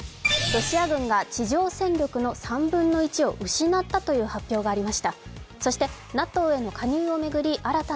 ロシア軍が地上戦力の３分の１を失ったという発言がありました。